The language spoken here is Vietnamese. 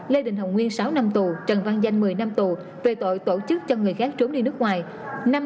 lê đình hồng nguyên sáu năm tù trần văn danh một mươi năm tù về tội tổ chức cho người khác trốn đi nước ngoài